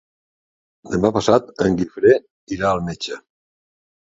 Demà passat en Guifré irà al metge.